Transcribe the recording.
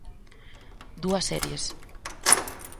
Dúas series.